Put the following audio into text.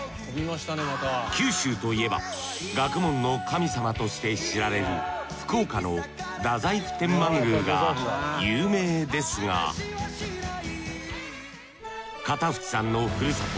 九州といえば学問の神様として知られる福岡の太宰府天満宮が有名ですが片渕さんのふるさと